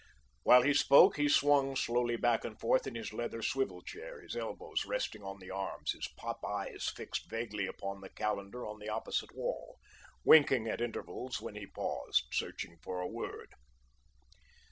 While he spoke, he swung slowly back and forth in his leather swivel chair, his elbows resting on the arms, his pop eyes fixed vaguely upon the calendar on the opposite wall, winking at intervals when he paused, searching for a word.